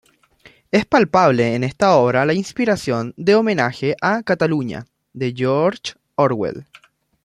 Es palpable en esta obra la inspiración de "Homenaje a Cataluña" de George Orwell.